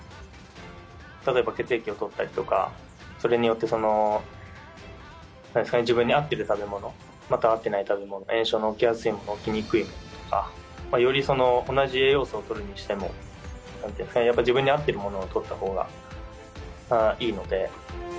例えば血液を採ったりとか、それによってなんですかね、自分に合ってるもの、また合っていない食べ物、炎症の起きやすいもの、起きにくいものとか、より、同じ栄養素をとるにしても、やっぱ自分に合っているものをとったほうがいいので。